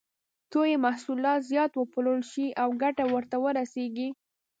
څو یې محصولات زیات وپلورل شي او ګټه ورته ورسېږي.